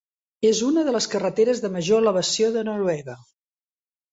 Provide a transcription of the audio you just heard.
És una de les carreteres de major elevació de Noruega.